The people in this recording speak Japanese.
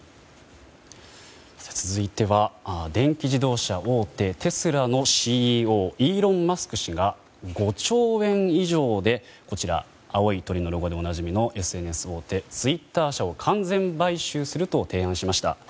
続いては電気自動車大手テスラのＣＥＯイーロン・マスク氏が５兆円以上青い鳥のロゴでおなじみのＳＮＳ、ツイッター社を完全買収すると提案しました。